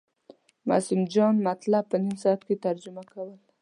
معصوم جان مطلب په نیم ساعت کې ترجمه کول.